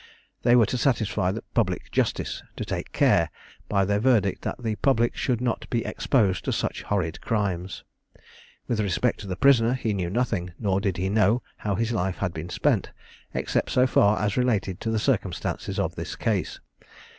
They were to satisfy public justice to take care, by their verdict, that the public should not be exposed to such horrid crimes. With respect to the prisoner, he knew nothing; nor did he know how his life had been spent, except so far as related to the circumstances of the case.